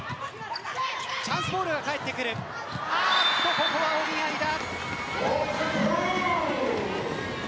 ここはお見合いだ。